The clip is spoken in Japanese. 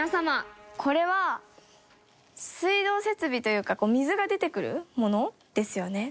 これは、水道設備というか水が出てくるものですよね。